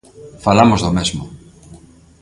Falamos do mesmo.